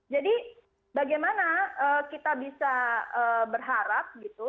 jadi bagaimana kita bisa berharap gitu